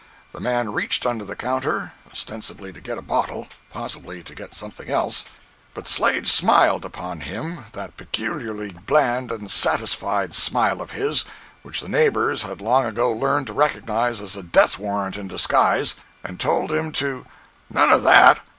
The man reached under the counter (ostensibly to get a bottle—possibly to get something else), but Slade smiled upon him that peculiarly bland and satisfied smile of his which the neighbors had long ago learned to recognize as a death warrant in disguise, and told him to "none of that!